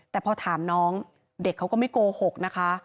แต่พอถามน้องเด็กเขาก็ไม่โกหกนะคะ